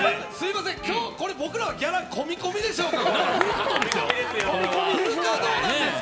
今日僕らギャラ込み込みでしょうか？